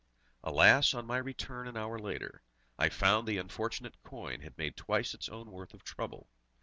Alas, on my return an hour later, I found the unfortunate coin had made twice its own worth of trouble!